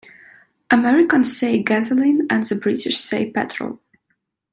Americans say gasoline and the British say petrol.